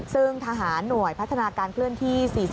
ซึ่งทหารหน่วยพัฒนาการเคลื่อนที่๔๐